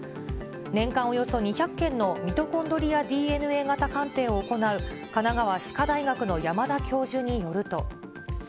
年間およそ２００件のミトコンドリアＤＮＡ型鑑定を行う、神奈川歯科大学の山田教授によると。